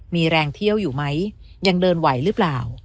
มีแรงเที่ยวอยู่ไหมยังเดินไหวหรือเปล่า